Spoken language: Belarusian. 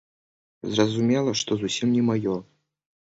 Зразумела, што зусім не маё.